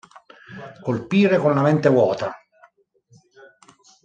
Colpire con la mente vuota.